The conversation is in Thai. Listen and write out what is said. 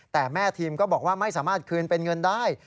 แต่แม่ทีมก็บอกว่าไม่สามารถคืนเป็นเงินได้